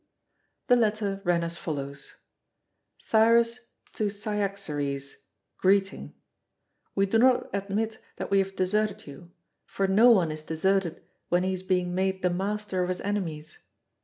The letter ran as follows: "Cyrus to Cyaxares, greeting. We do not admit that we have deserted you; for no one is deserted when he is being made the master of his enemies.